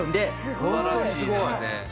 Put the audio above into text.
素晴らしいですね。